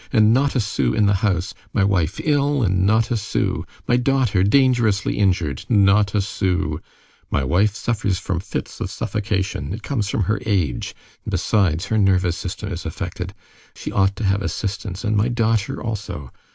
And not a sou in the house! My wife ill, and not a sou! My daughter dangerously injured, not a sou! My wife suffers from fits of suffocation. It comes from her age, and besides, her nervous system is affected. She ought to have assistance, and my daughter also!